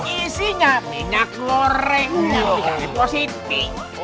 isinya minyak lore yang dikali prositi